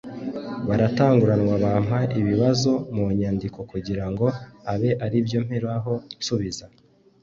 baratanguranwa bampa ibibazo mu nyandiko kugira ngo abe aribyo mperaho nsubiza